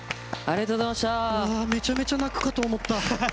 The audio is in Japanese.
めちゃめちゃ泣くかと思った。